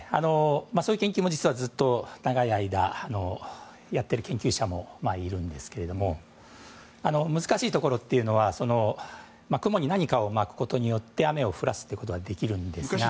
そういう研究も長い間やっている研究者もいるんですけど難しいところは雲に何かをまくことによって雨を降らすことができるんですが。